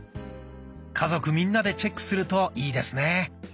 家族みんなでチェックするといいですね。